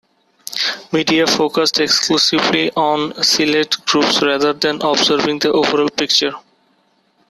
Media focused exclusively on select groups rather than observing the overall picture.